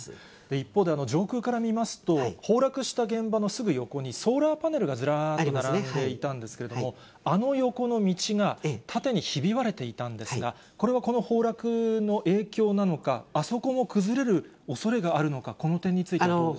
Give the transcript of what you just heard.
一方で、上空から見ますと、崩落した現場のすぐ横にソーラーパネルがずらっと並んでいたんですけれども、あの横の道が、縦にひび割れていたんですが、これはこの崩落の影響なのか、あそこも崩れるおそれがあるのか、この点についてはどうですか。